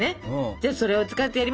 じゃあそれを使ってやりましょうよ。